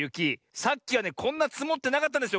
さっきはねこんなつもってなかったんですよ